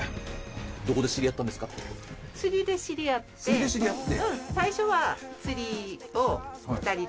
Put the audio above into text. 釣りで知り合って。